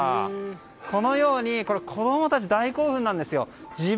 このように子供たち大興奮なんですよ。